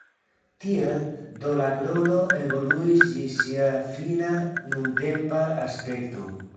Tiel do la krono evoluis ĝis sia fina nuntempa aspekto.